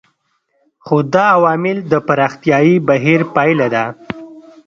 خو دا عوامل د پراختیايي بهیر پایله ده.